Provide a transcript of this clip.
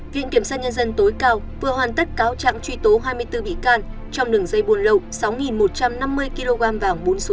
viện kiểm sát nhân dân tối cao vừa hoàn tất cáo trạng truy tố hai mươi bốn bị can trong đường dây buôn lậu sáu một trăm năm mươi kg vàng bốn số năm